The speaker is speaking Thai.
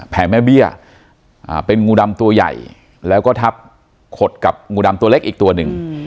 แม่เบี้ยเป็นงูดำตัวใหญ่แล้วก็ทับขดกับงูดำตัวเล็กอีกตัวหนึ่ง